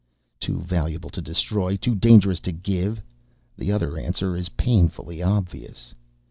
Too valuable to destroy, too dangerous to give. The other answer is painfully obvious.